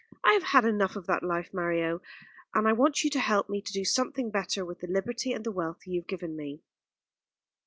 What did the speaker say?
I have had enough of that life, Mario; and I want you to help me to do something better with the liberty and the wealth you have given me."